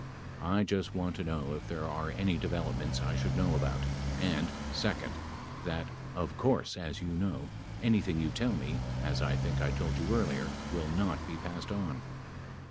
I just want to know if there are any developments I should know about and, second, that of course as you know, anything you tell me, as I think I told you earlier, will not be passed on.